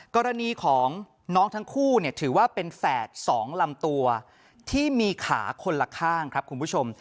กรณีของน้องทั้งคู่เนี่ยถือว่าเป็นแฝด๒ลำตัวที่มีขาคนละข้างครับคุณผู้ชม